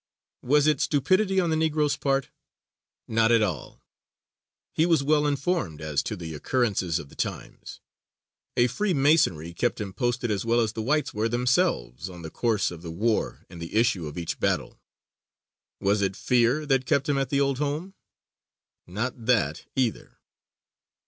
Was it stupidity on the Negro's part? Not at all. He was well informed as to the occurrences of the times. A freemasonry kept him posted as well as the whites were themselves on the course of the war and the issue of each battle. Was it fear that kept him at the old home? Not that, either.